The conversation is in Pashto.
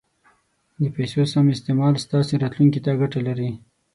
د پیسو سم استعمال ستاسو راتلونکي ته ګټه لري.